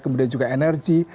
kemudian juga energi